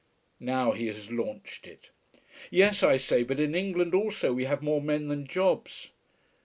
Now he has launched it. Yes, I say, but in England also we have more men than jobs.